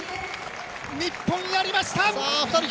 日本、やりました！